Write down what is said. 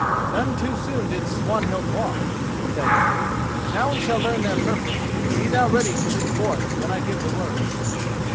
"None too soon did Swanhild walk," said Eric; "now we shall learn their purpose. Be thou ready to leap forth when I give the word."